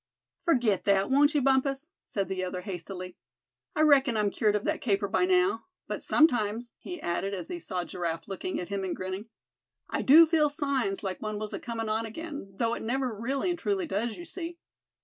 "Forget that, won't you, Bumpus," said the other hastily. "I reckon I'm cured of that caper by now; but sometimes," he added, as he saw Giraffe looking at him, and grinning, "I do feel signs like one was acomin' on again, though it never really and truly does, you see."